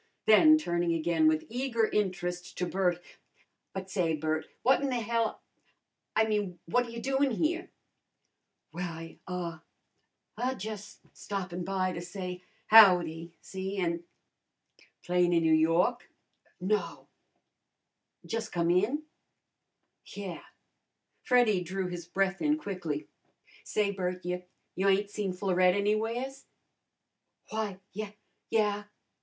Then turning again with eager interest to Bert, "But say, Bert, what in the hell a I mean what ta you doin' here?" "Why ah ah jus' stoppin' by to say howdy, see, an' " "Playin'in N'Yawk?" "No." "Jus'come in?" "Yeah." Freddy drew his breath in quickly. "Say, Bert, you you ain't seen Florette anywheres?" "Why, ye yeah."